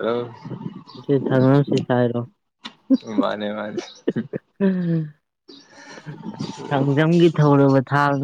ꯔꯥꯎ ꯍꯧ ꯊꯔꯃꯟꯁꯤꯁꯔꯣ ꯃꯥꯅꯦ ꯃꯥꯅꯦ ꯎꯝ ꯀꯥꯡꯥꯡꯖꯝꯒꯤ ꯊꯧꯔꯕ ꯊꯥꯡ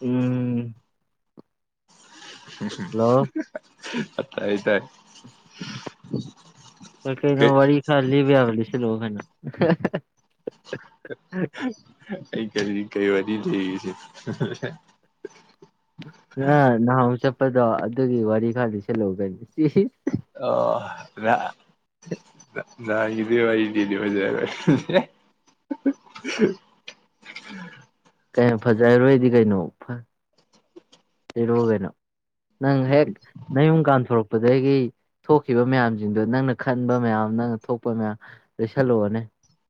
ꯎꯝ ꯎ ꯍꯜꯂꯣ ꯑꯠꯇꯥꯏ ꯇꯥꯏ ꯀꯩꯅꯣ ꯋꯥꯔꯤ ꯈꯔ ꯂꯤꯕ ꯌꯥꯕ ꯂꯩ ꯁꯤꯂꯣ ꯍꯥꯏꯅ ꯍꯥꯏ ꯍꯥꯏ ꯑꯩ ꯀꯔꯤ ꯀꯩ ꯋꯥꯔꯤꯗꯤ ꯂꯩꯁꯤ ꯅ ꯅꯍꯥꯟꯨ ꯆꯠꯄꯗꯣ ꯑꯗꯨꯒꯤ ꯋꯥꯔꯤ ꯈꯔꯗꯤ ꯁꯂꯒꯅꯤ ꯑꯣ ꯏꯗꯤ ꯍꯥꯏꯗꯤꯗꯤ ꯃꯖꯦ ꯎꯝ ꯀꯩ ꯐꯖ ꯍꯥꯏꯔꯣꯏꯗꯤ ꯀꯩꯅꯣ ꯂꯩꯔꯣ ꯀꯩꯅꯣ ꯅꯪ ꯍꯦꯛ ꯅꯩꯨ ꯀꯥꯟꯊꯣꯔꯛ ꯑꯗꯒꯤ ꯊꯣꯛꯈꯤꯕ ꯃꯌꯥꯝꯁꯤꯡꯗꯣ ꯅꯪꯅ ꯈꯟꯕ ꯃꯌꯥꯝ ꯅꯪꯅ ꯊꯣꯛꯄ ꯃꯌꯥꯝ ꯂꯩꯁꯜꯂꯛꯑꯣꯅꯦ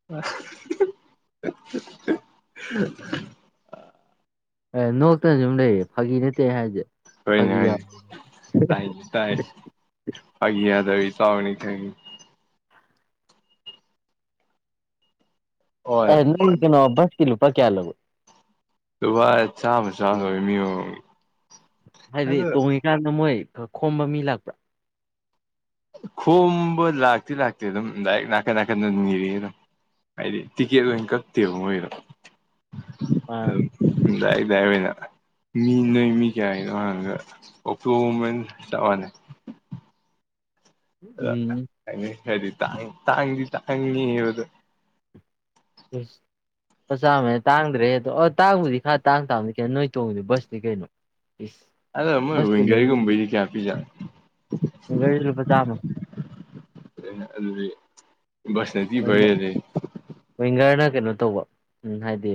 [inaudible] ꯑꯦ ꯅꯣꯛꯇꯅ ꯁꯨꯝ ꯂꯩꯌꯦ ꯐꯥꯒꯤ ꯅꯠꯇꯦ ꯍꯥꯏꯁꯦ ꯍꯣꯏꯅꯦ ꯐꯥꯒꯤ ꯌꯥꯝ ꯍ ꯇꯥꯏ ꯇꯥꯏ ꯑ ꯌꯥꯗꯕꯤ ꯆꯥꯎꯅꯤ ꯊ ꯑꯣ ꯑ ꯅ ꯁꯅꯣꯕꯁꯀꯤ ꯂꯨꯄꯥ ꯀꯌꯥ ꯂꯒꯣ ꯇꯕꯥꯥꯏ ꯆꯥ ꯆ ꯃꯤ ꯍꯥꯏꯗꯤ ꯑꯗꯣ ꯇꯣꯡꯉꯤꯀꯥꯟꯗ ꯃꯣꯏ ꯈꯣꯝꯕ ꯃꯤ ꯂꯥꯛꯄ꯭ꯔꯥ ꯈꯣꯡꯕ ꯂꯥꯛꯇ ꯂꯥꯛꯇꯝ ꯂꯗꯥꯏ ꯅꯥꯀ ꯅꯥꯀ ꯅ ꯃꯤꯔꯤ ꯍꯥꯏꯗꯤ ꯇꯤꯀꯦ ꯀꯠꯇꯕ ꯑꯣꯏꯣꯏꯔꯣ ꯑ ꯑꯗꯨꯗꯥꯏ ꯑꯣꯏꯅ ꯃꯤ ꯅꯣꯏ ꯃꯤ ꯀꯌꯥꯒꯤꯅꯣ ꯍꯥꯏꯗ ꯑꯣꯛꯇꯣꯃꯦꯟ ꯇꯛꯑꯅꯤ [inaudible] ꯑꯗ ꯎꯝ ꯍꯥꯏꯗꯤꯥꯡ ꯇꯥꯡꯤ ꯇꯥꯡꯅꯤꯕꯗꯨ ꯎ ꯆꯥꯃꯦ ꯇꯥꯡꯗ꯭ꯔꯦꯗꯣ ꯇꯥꯡꯕꯨꯗꯤ ꯈꯔ ꯇꯥꯡ ꯇꯥꯕꯅꯤ ꯀ ꯅꯣꯏ ꯇꯗ ꯁꯗꯤ ꯀꯩꯩꯅꯣ ꯑꯗꯣ ꯁ ꯃꯣꯏ ꯊ ꯋꯤꯡꯒꯔꯒꯨꯝꯕꯩꯗꯤ ꯀꯌꯥ ꯄꯤꯖꯥꯠꯅꯣ ꯒꯁ ꯂꯨꯄꯥ ꯆꯥꯃ ꯑꯗꯨꯗꯤ ꯁꯅꯗꯤ ꯐꯔꯦ ꯂꯩ ꯋꯤꯡꯒꯔꯅ ꯀꯩꯅꯣ ꯇꯧꯕ ꯎ ꯍꯥꯏꯗꯤ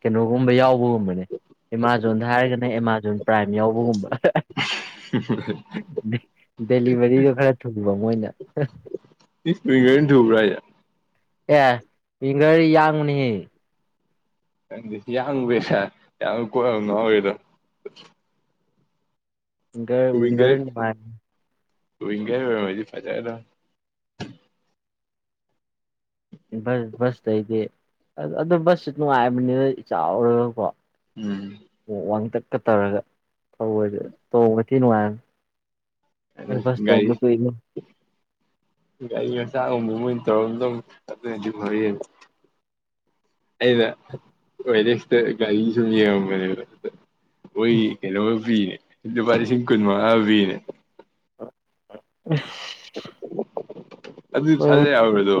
ꯀꯩꯅꯣꯒꯨꯝꯕ ꯌꯥꯎꯕꯒꯨꯝ ꯑꯦꯃꯥꯖꯣꯟꯗ ꯍꯥꯏꯔꯒꯅ ꯑꯦꯃꯥꯖꯣꯟ ꯄ꯭ꯔꯥꯏꯝ ꯌꯥꯎꯕꯒꯨꯝꯕ ꯗꯦꯂꯤꯚꯔꯤꯗꯣ ꯈꯔ ꯊꯨꯕ ꯃꯣꯏꯅ ꯕꯔ ꯑꯦ ꯏ ꯉ ꯌꯥꯡꯅꯤ ꯅꯪꯗꯤ ꯌꯥꯝꯡꯉꯦ ꯁꯥꯔ ꯌꯥꯝ ꯀꯣꯏꯕ ꯉꯥꯎꯋꯦꯗꯣ ꯒꯔꯒꯔꯥꯏ ꯇ ꯏ ꯀ ꯃꯗꯤ ꯐꯖꯗ ꯕꯁ ꯕꯁꯇꯩꯗꯤ ꯑꯗꯨ ꯕꯁꯁ ꯅꯨꯡꯉꯥꯏꯕꯅꯤꯅ ꯆꯥꯎꯔꯒꯀꯣ ꯎꯝ ꯑꯣꯛ ꯋꯥꯡꯇꯛ ꯀ ꯇꯔꯒ ꯊꯧꯁꯦ ꯇꯧꯕ ꯉ ꯊꯤ ꯅꯨꯡꯉꯥꯏꯔꯅꯤ ꯑ ꯑꯗꯨ ꯐꯁ ꯒꯥꯔꯤ ꯗꯣꯅ ꯀ ꯒꯥꯔꯤ ꯉ ꯆꯥꯡ ꯑꯃ ꯃꯣꯏ ꯇꯧꯔꯝ ꯇꯧ ꯑꯗꯨꯗꯤ ꯐ ꯑꯩꯅ ꯑꯣꯏꯔꯦꯛꯁꯤꯗ ꯒꯥꯔꯤ ꯁꯨꯝ ꯌꯦꯡꯉꯝꯒꯅꯦꯕ ꯑ ꯑꯩꯈꯣꯏ ꯀꯩꯅꯣ ꯄꯤꯅꯦ ꯂꯨꯄꯥ ꯂꯤꯁꯤꯡ ꯀꯨꯟ ꯃꯉꯥ ꯄꯤꯅꯦ ꯑꯗꯨ ꯊꯥꯖ ꯌꯥꯎꯋ꯭ꯔꯗꯣ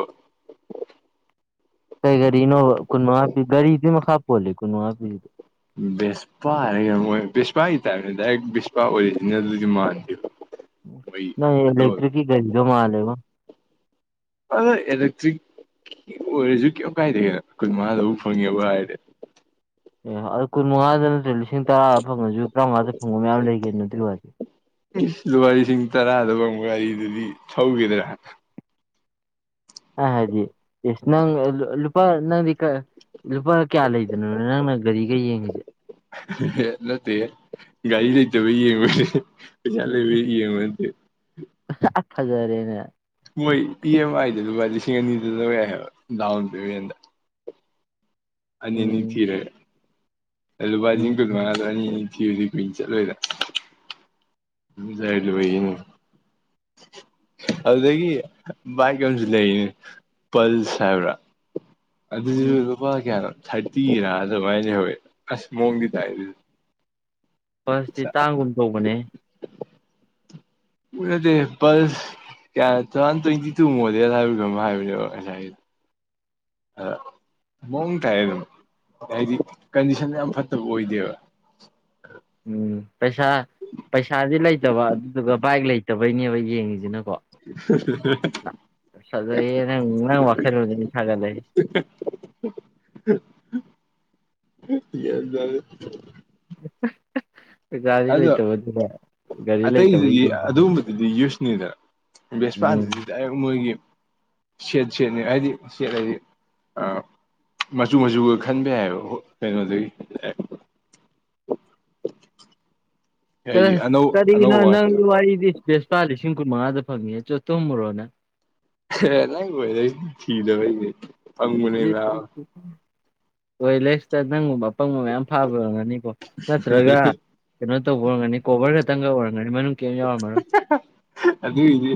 ꯀꯩ ꯀꯔꯤ ꯏꯅꯣ ꯀ ꯒꯥꯔꯤ ꯃꯈ ꯃꯈꯥꯕꯄꯣꯜꯂꯤꯀꯣ ꯁ ꯄꯥ ꯍꯥꯏꯔꯒ ꯑꯣꯏ ꯕꯤꯁꯄꯥꯒꯤꯇꯥꯕꯅꯤ ꯗꯥꯏꯔꯦꯛ ꯕꯤꯁꯄꯥ ꯑꯣꯏꯔꯤꯁꯤꯅꯦ ꯑꯗꯨꯗꯤ ꯃꯥꯟꯗꯦ ꯅ ꯏꯂꯦꯦꯛꯛꯇ꯭ꯔꯛꯀꯤ ꯀꯔꯤꯒꯣ ꯃꯥꯂꯦꯕꯣ ꯑꯗ ꯑꯦꯂꯛꯇꯔꯤꯛ ꯑꯣꯏꯔꯁꯨ ꯀꯩ ꯀꯥꯏꯗꯒꯦꯅꯣ ꯀꯨꯟ ꯃꯉꯥꯗꯕꯨ ꯐꯪꯉꯦꯕꯨ ꯍꯥꯏꯔꯗꯤ ꯑꯦ ꯑꯗꯨ ꯀꯨꯟ ꯃꯉꯥꯗ ꯅꯠꯇ꯭ꯔꯦ ꯂꯤꯁꯤꯡ ꯇꯔꯥ ꯐꯪꯉꯁꯨ ꯀꯥꯎꯉꯗ ꯐꯨꯡꯕ ꯃꯌꯥꯝ ꯂꯩꯒꯦ ꯅꯠꯇ ꯑꯣꯏꯦ ꯏꯁ ꯂꯨꯄꯥ ꯂꯤꯁꯤꯡ ꯇꯔꯥꯗ ꯐꯥꯎ ꯋꯥꯔꯤꯔꯤꯗꯨꯗꯤ ꯊꯧꯈꯤꯗ꯭ꯔꯥ ꯑ ꯍꯥꯏꯗꯤ ꯌꯦꯁ ꯅꯪ ꯂꯨꯄꯥ ꯅꯪ ꯂꯤ ꯂꯨꯄꯥ ꯀꯌꯥ ꯂꯩꯗꯅꯣꯅ ꯅꯪꯅ ꯒꯥꯔꯤꯒ ꯌꯦꯡꯉꯁꯦ ꯑꯦꯂ ꯇ ꯥꯏ ꯂꯩ ꯂꯩꯗꯕꯩ ꯌꯦ ꯃꯗꯤ ꯆꯦ ꯃꯗꯤ ꯍꯖꯔꯦꯅꯦ ꯍꯣꯏ ꯏ ꯑꯦꯝ ꯑꯥꯏꯗ ꯂꯨꯄꯥ ꯂꯤꯁꯤꯡ ꯑꯅꯤꯗꯨ ꯂꯧꯧ ꯌꯥꯏ ꯍꯥꯏꯕ ꯗꯥꯎꯟ ꯄꯦꯃꯦꯟꯗ ꯑꯅꯤꯅꯤ ꯎꯝ ꯊꯔꯦꯦ ꯎꯝ ꯑꯜꯂꯨꯄꯥꯁꯤꯤꯡ ꯀꯨꯗꯉꯗ ꯑꯅꯤ ꯑ ꯊꯤꯨꯖꯤꯛ ꯀꯨꯏꯅ ꯆꯠꯂꯣꯏꯗ ꯖꯥꯏꯕꯏꯅꯦ [unintelligible] ꯑꯗꯨꯗꯒꯤ ꯕꯥꯏꯛ ꯑꯃꯁꯨ ꯂꯩꯔꯤꯅꯤ ꯄꯜꯁ ꯍꯥꯏꯕ꯭ꯔꯥ ꯑꯗꯨꯗꯤ ꯎꯝ ꯕ ꯀꯦꯔꯣ ꯊꯥꯔꯇꯤꯔ ꯑꯗꯨꯃꯥꯏꯅ ꯍꯧꯋꯦ ꯑꯁ ꯃꯑꯣꯣꯡꯒꯤ ꯇꯥꯏ ꯐꯁꯇꯤ ꯇꯥꯡꯒꯨꯝ ꯇꯧꯕꯅꯦ ꯎꯗꯤꯁ ꯀꯌꯥ ꯇ꯭ꯋꯦꯟꯇꯤ ꯇꯨ ꯃꯣꯗꯦꯜ ꯍꯥꯏꯕꯅꯣ ꯍꯥꯏꯕꯅꯦꯕ ꯉꯁꯥꯏ ꯑ ꯃꯑꯣꯡ ꯇꯥꯏ ꯑꯗꯨꯝ ꯍꯥꯏꯗꯤ ꯀꯟꯗꯤꯁꯟ ꯌꯥꯝ ꯐꯠꯇꯕ ꯑꯣꯏꯗꯦꯕ ꯎꯝ ꯄꯩꯁꯥ ꯄꯩꯁꯥꯗꯤ ꯂꯩꯇꯕ ꯑꯗꯨꯗꯨꯒ ꯕꯥꯏꯛ ꯂꯩꯇꯕꯩꯅꯦꯕ ꯌꯦꯡꯉꯤꯁꯤꯅ [unintelligible] ꯄꯁꯖꯩ ꯅ ꯅꯪ ꯋꯥꯈꯔ ꯑꯗꯨꯅꯤ ꯊꯥꯒ ꯂꯩ [unintelligible] ꯌꯦꯔꯦ [unintelligible] ꯒꯥꯔꯤ ꯂꯩꯇꯕꯗꯨꯗ ꯒꯥꯔꯤ ꯂꯩꯇꯕ ꯌꯦꯡꯉ ꯗ ꯕꯦꯁꯄꯥꯗꯨꯗꯤ ꯗꯥꯏꯔꯦꯛ ꯃꯣꯏꯒꯤ ꯁ ꯁꯦ ꯍꯥꯏꯗꯤ ꯁ ꯍꯥꯏꯗꯤ ꯑ ꯃꯆꯨ ꯃꯆꯨꯒ ꯈꯟꯕ ꯌꯥꯏꯑꯕ ꯀꯩꯅꯣꯗꯒꯤ ꯎ ꯀꯔꯤꯒꯤꯅꯣ ꯅꯪ ꯋꯥꯔꯤꯗꯤ ꯂꯁꯄꯥ ꯂꯤꯁꯤꯡ ꯈꯣꯏ ꯃꯉꯥꯗ ꯐꯪꯉ ꯆꯣꯊꯣ ꯃꯨꯔꯣꯅ ꯍ ꯂ ꯑꯣꯏꯤꯗꯅꯦ ꯐꯪꯉꯨꯅꯦ ꯍꯣꯏ ꯂꯦꯛꯁꯇ ꯅꯪꯒꯨꯝꯕ ꯑꯄꯪꯕ ꯃꯌꯥꯝ ꯐꯥꯕ ꯉꯝꯒꯅꯤꯀꯣ ꯅꯠꯇ꯭ꯔꯒ ꯀꯩꯅꯣ ꯇꯧꯕꯔꯒꯅꯤ ꯀꯣꯕꯔ ꯈꯛꯇꯪꯒ ꯑꯣꯏꯔꯒꯅꯤ ꯑꯗꯨꯒꯤꯗꯤ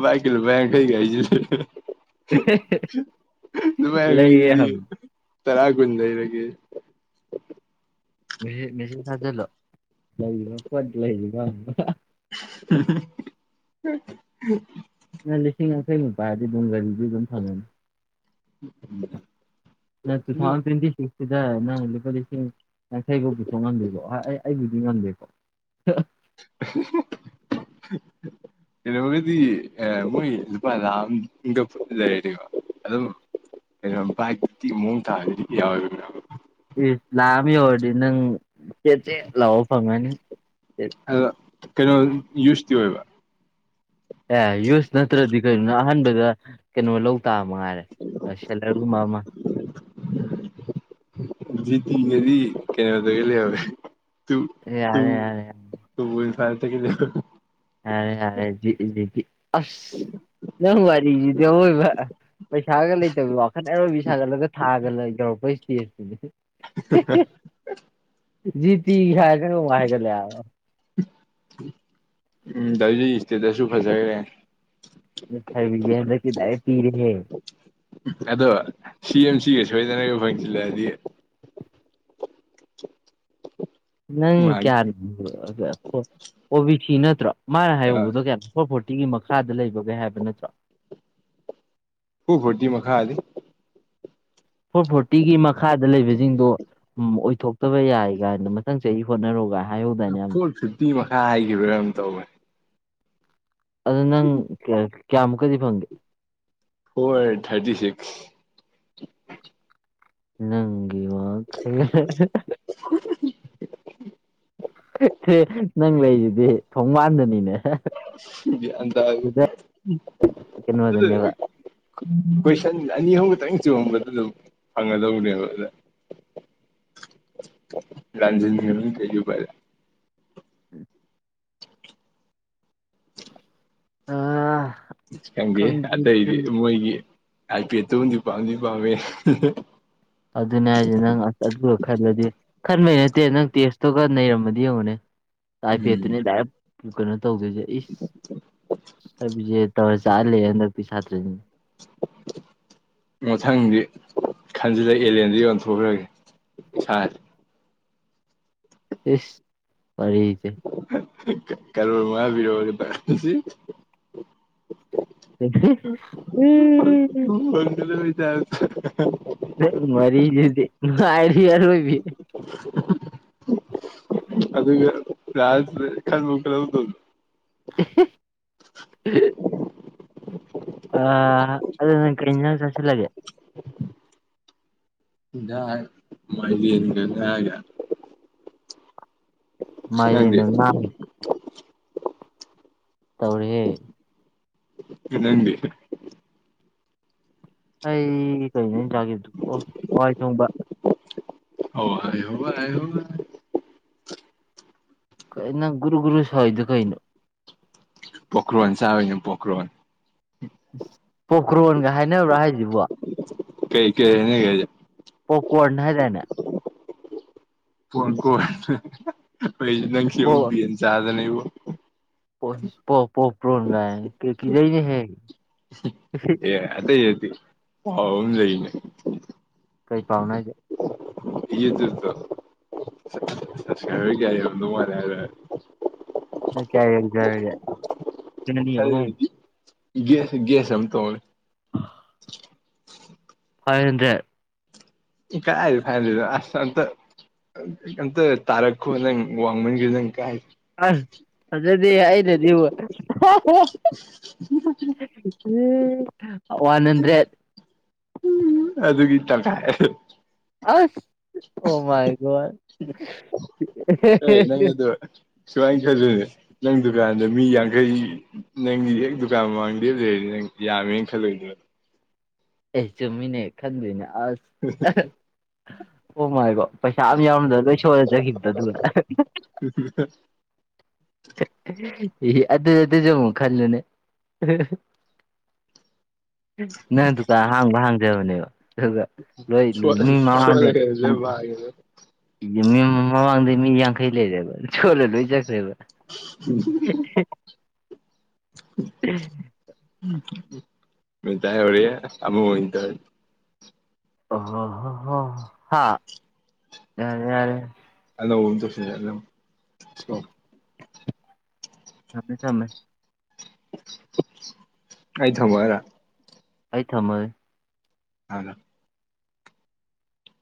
ꯚꯏ ꯀ ꯂꯨꯄꯥ ꯌꯥꯡꯈꯩꯒ ꯍꯥꯏꯁꯤ ꯑꯗꯨꯄꯔ ꯂꯩꯌꯦ ꯀꯗꯨꯗꯤ ꯍꯪꯉꯨ ꯇꯔꯥꯒꯨꯟꯗ ꯏꯕꯒꯤ ꯃꯦꯁꯦ ꯊꯥꯖꯂꯣ ꯂꯩ ꯂꯩ [unintelligible] ꯅꯪ ꯂꯤꯁꯤꯡ ꯌꯥꯡꯈꯩ ꯃꯄꯥꯥꯏꯗꯤ ꯑꯗꯨꯝ ꯒꯥꯔꯤꯗꯤ ꯑꯗꯨꯝ ꯐꯪꯒꯅꯤ ꯅ ꯇꯨ ꯑꯗꯨ ꯊꯥꯎ ꯇ꯭ꯔꯤꯇ ꯁꯤꯗ ꯅꯪ ꯂꯨꯄꯥ ꯂꯤꯁꯤꯡ ꯌꯥꯡꯈꯩꯐꯥꯎ ꯄꯨꯊꯣꯛ ꯉꯝꯗꯦꯕꯣ ꯑꯩ ꯑꯩꯕꯨꯗꯤ ꯉꯝꯗꯦꯀꯣ [unintelligible] [unintelligible] ꯀꯩꯅꯣꯒꯗꯤ ꯃꯣꯏ ꯂꯨꯄꯥ ꯂꯥꯛ ꯑꯒ ꯂꯩꯔꯅꯦꯀꯣ ꯑꯗꯨꯝ ꯥꯏ ꯃꯨꯡ ꯊꯥ ꯍꯥꯏ ꯌꯥꯎꯔ ꯂꯥꯃꯤ ꯑꯣꯏꯔꯗꯤ ꯅꯪ ꯆꯦ ꯆꯦ ꯂꯥꯛꯑꯣ ꯐꯪꯉꯅꯤ ꯑꯣ ꯀꯩꯅꯣ ꯌꯨꯁꯇꯤ ꯑꯣꯏꯕ ꯑꯦ ꯌꯨꯁ ꯅꯠꯇ꯭ꯔꯗꯤ ꯀꯔꯤꯣꯅꯣ ꯑꯍꯥꯟꯕꯗ ꯀꯩꯅꯣ ꯂꯧ ꯇꯥ ꯃꯥꯔꯦꯁꯂꯒꯨꯝꯃꯃ ꯖꯤꯇꯤꯒꯗꯤ ꯀꯩꯅꯣꯗꯒ ꯂꯩꯍꯧꯋꯦ ꯇꯨ ꯌꯥꯔꯦ ꯌꯥꯔꯦ ꯇ ꯐꯔ ꯇ ꯀ ꯌꯥꯔꯦ ꯌꯥꯔꯦ ꯑ ꯅꯪꯋꯥꯔꯤꯗꯣꯏ ꯄꯩꯁꯥꯒ ꯂꯩꯇꯕꯤ ꯋꯥꯈꯠ ꯑꯔꯣꯏꯕꯤ ꯁꯥꯒꯠꯂꯒ ꯊꯥꯒ ꯂꯩ ꯇꯧꯔꯛꯄ ꯏꯁꯇꯦꯖꯇꯨꯗꯤ [unintelligible] ꯖꯤ ꯇꯤ ꯍꯥꯏ ꯀ ꯋꯥ ꯍꯥꯏꯒ ꯂ ꯎꯝ ꯗꯗꯤ ꯏꯁꯇꯦꯠꯇꯁꯨ ꯐꯖꯈ꯭ꯔꯦ ꯍꯥꯏꯕ ꯍꯟꯗꯛꯇꯤ ꯗꯥꯏꯔꯦꯛ ꯄꯤꯔꯦꯍꯦ ꯑꯗꯣ ꯁꯤ ꯑꯦꯝ ꯁꯤꯒ ꯁꯣꯏꯗꯅ ꯐꯪꯁꯤꯤꯜꯂꯛꯑꯗꯤ ꯅꯪ ꯃꯥꯒꯤ ꯀꯌꯥꯅꯣ ꯑꯣꯕꯤ ꯁꯤꯤ ꯅꯠꯇ꯭ꯔꯣ ꯃꯥꯅ ꯍꯥꯏꯍꯧꯕꯗꯣ ꯀꯌꯥꯅꯣ ꯐꯣꯔ ꯐꯣꯔꯇꯤꯒꯤ ꯃꯈꯥꯗ ꯂꯩꯕꯒꯦ ꯍꯥꯏꯕ ꯅꯠꯇ꯭ꯔꯣ ꯍꯨ ꯍꯇꯤ ꯃꯈ ꯈꯥ ꯑꯗ ꯐꯣꯔ ꯐꯣꯔꯇꯤꯒꯤ ꯃꯈꯥꯗ ꯂꯩꯕꯁꯤꯡꯗꯣ ꯎ ꯑꯣꯏꯊꯣꯛꯇꯕ ꯌꯥꯏ ꯀꯥꯏꯅ ꯃꯊꯪ ꯆꯍꯤ ꯍꯣꯠꯅꯔꯨꯒ ꯐꯣꯔ ꯐꯤꯞꯇꯤ ꯃꯈꯥ ꯍꯈꯤꯕ꯭ꯔꯥ ꯑꯃꯝ ꯇꯧꯋꯦ ꯑꯗꯨ ꯅꯪ ꯀꯌꯥꯃꯨꯛꯀꯗꯤ ꯐꯪꯒꯦ ꯐꯣꯔ ꯍꯟ꯭ꯔꯦꯠ ꯊꯥꯔꯇꯤ ꯁꯤꯛꯁ ꯅꯪꯒꯤꯤ ꯋꯥ ꯀ ꯅꯪ ꯂꯩꯁꯤꯗꯤ ꯊꯣꯡꯕꯥꯟꯗꯅꯤꯅꯦ ꯁꯤꯗ ꯑꯗꯨ ꯀꯩꯅꯣꯗꯅꯦꯕ ꯀꯣꯏꯁꯟ ꯑꯅꯤ ꯑꯍꯨꯝ ꯈꯛꯇꯪ ꯆꯨꯝꯒꯗ ꯑꯗꯨꯝ ꯐꯪꯒꯗꯧꯕꯅꯦꯕ ꯑꯗ ꯔꯥꯟꯖꯟ ꯊ ꯀꯨ ꯄꯔꯦ ꯎꯝ [unintelligible] ꯑꯥ ꯈꯪꯗꯦ ꯑꯇꯩꯗꯤ ꯃꯣꯏꯒꯤ ꯑꯥꯏ ꯄꯤ ꯇꯗꯤ ꯄꯥꯎꯗꯤ ꯄꯥꯎꯃꯦ ꯑꯗꯨꯅꯦ ꯍꯥꯏꯦ ꯅꯪ ꯈꯂꯗꯤ ꯈꯔꯃꯦ ꯅꯠꯇꯦ ꯅꯪ ꯇꯦꯁꯇꯨꯒ ꯅꯩꯔꯝꯃꯗꯤ ꯌꯦꯡꯉꯨꯅꯦ ꯎꯝ ꯑꯥꯏꯐꯦꯠꯇꯨꯅꯦ ꯗꯥꯏꯔꯦꯛ ꯀꯩꯅꯣ ꯇꯧꯗꯣꯏꯁꯦ ꯏꯁ ꯍꯥꯏꯕꯤꯁꯦ ꯇꯧꯔ ꯆꯥꯛꯍꯜꯂꯦ ꯍꯟꯗꯛꯇꯤ ꯁꯥꯇ꯭ꯔꯅꯤ [unintelligible] ꯃꯊꯪꯗꯤ ꯈꯟꯖꯤꯜꯂ ꯑꯦꯂꯦꯟꯗ ꯌꯟꯊꯣꯛꯈ꯭ꯔꯒꯦ ꯁꯥ ꯁꯤꯁ ꯃꯔꯤꯖꯦ ꯀꯔꯔ ꯃꯥꯕꯤꯔꯣꯅꯦꯁꯤ ꯃꯔ ꯆ ꯃꯔꯤꯗ ꯃꯥꯔꯤ ꯌꯥꯔ ꯑꯣꯏꯕꯤ ꯑꯗꯨ ꯔꯦ ꯈꯥꯟ ꯃꯜꯗ [unintelligible] ꯑ ꯑꯗꯨ ꯅꯪ ꯀ ꯆꯁꯤꯂꯒꯦ ꯌꯥ ꯃꯥꯏꯗꯤꯒ ꯊꯒ ꯃꯥꯗꯤ ꯌꯦꯒ ꯇꯧꯔꯤꯦ ꯑꯗꯨꯗꯤ ꯑꯩ ꯀꯩꯅꯦ ꯆꯥꯒꯦꯗꯨ ꯑꯣ ꯍꯏ ꯊꯣꯡꯕ ꯍ ꯑ ꯍ ꯍꯥꯏ ꯀꯥꯏꯅꯪ ꯒꯨꯔꯨꯒꯨꯔꯨ ꯁꯋꯥꯗꯨ ꯀꯥꯏꯅꯣ ꯄꯣꯀ꯭ꯔꯣꯟ ꯆꯥꯕꯅꯨ ꯄꯣꯀ꯭ꯔꯣꯟ ꯄꯣꯀ꯭ꯔꯣꯟꯒ ꯍꯥꯏꯅꯕ꯭ꯔꯥ ꯍꯥꯏꯁꯤꯕꯣ ꯀꯩ ꯀ ꯅ ꯀ ꯀꯣꯔꯅꯍꯥꯏ ꯇꯥꯏꯅ ꯀ ꯀꯣ ꯑꯩꯁꯨ ꯅꯪꯁꯨ ꯄ ꯆꯥꯗꯅꯕ ꯄ ꯄꯣ ꯄꯣ ꯄ꯭ꯔꯣꯣꯟꯒꯥꯏ ꯀꯦꯀꯤꯏꯅꯦ ꯍꯦ ꯑꯦ ꯑꯇꯩꯇ ꯍꯥꯎ ꯂꯩꯏꯅꯦ ꯀꯩ ꯐꯥꯎꯅꯥꯒꯦ ꯏꯗꯗ ꯆꯠꯁꯀꯔ ꯀꯥꯏꯣꯅ ꯍꯔꯔ ꯀꯌꯥꯖꯅꯤ ꯦꯁ ꯦꯁ ꯑꯝ ꯇꯅꯤ [unintelligible] ꯐꯥꯏꯚ ꯍꯟꯗ꯭ꯔꯦꯠ ꯀꯥꯏ ꯐꯥꯏꯗꯦꯗ ꯑꯁꯇ ꯅꯇ ꯇꯔꯛ ꯈꯨ ꯅꯪ ꯋꯥꯡꯃꯟꯒꯔꯤ ꯂꯪ ꯀꯥꯏ ꯑ ꯑꯗꯨꯗꯤ ꯑꯩꯅꯗꯤꯕꯨ ꯋꯥꯟ ꯍꯟꯗ꯭ꯔꯦꯠ ꯀ ꯑꯁ ꯑꯣ ꯃꯥꯏꯒꯣꯜ ꯑꯦ ꯅꯪ ꯑꯗꯣ ꯁꯨꯃꯥꯏꯅ ꯈꯜꯂꯅꯦ ꯅꯪ ꯗꯨꯀꯥꯟꯗ ꯃꯤ ꯌꯥꯡꯈꯩ ꯅꯪꯒꯤ ꯍꯦꯛ ꯗꯨꯀꯥꯟ ꯃꯃꯥꯡꯗ ꯂꯩꯔꯤꯅꯦ ꯌꯥꯝꯃꯦꯅ ꯈꯜꯂꯨꯏꯗ ꯑꯦ ꯆꯨꯝꯃꯤꯅꯦ ꯈꯟꯗꯣꯏꯅꯦ ꯑꯁ ꯑꯣꯃꯥꯏꯕꯣ ꯄꯩꯁꯥ ꯑꯝ ꯌꯥꯎꯔꯝꯗꯅ ꯂꯣꯏ ꯁꯣꯏꯂꯖꯈꯤꯕꯗꯣ ꯑꯗꯨꯅ ꯎꯝ ꯏ ꯑꯗꯨ ꯑꯗꯨꯁꯨ ꯑꯃꯨꯛ ꯈꯜꯂꯨꯅꯦ ꯅꯪ ꯗꯨꯀꯥꯟ ꯍꯥꯡꯕ ꯍꯥꯡꯖꯕꯅꯦꯕ ꯑꯗꯨꯒ ꯂꯣꯏ ꯂꯨ ꯃꯤ ꯃꯃꯥꯡꯅꯦꯦ ꯁꯣꯠꯂꯒ ꯂꯣꯏ ꯃꯥꯡꯉꯦ ꯃꯤ ꯃꯃꯥꯡꯗꯩ ꯃꯤ ꯌꯥꯡꯈꯩ ꯂꯩꯔꯦꯕ ꯁꯣꯜꯂ ꯂꯣꯏ ꯆꯠꯈ꯭ꯔꯦꯕ [unintelligible] ꯎ ꯃꯤ ꯇꯦ ꯑꯣꯔꯤ ꯑꯃꯨ ꯑꯣꯏꯗ ꯑꯣ ꯍꯣ ꯍꯣ ꯍ ꯌꯥꯔꯦ ꯌꯥꯔꯦ ꯂꯧ ꯗꯁ ꯁꯝꯃꯦ ꯁꯝꯃꯦꯃꯦ ꯑꯗ ꯊꯝꯕꯔ ꯑꯩ ꯊꯝꯃꯣꯏ ꯍꯅ